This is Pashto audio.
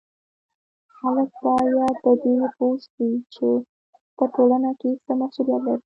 خلک باید په دې پوه سي چې په ټولنه کې څه مسولیت لري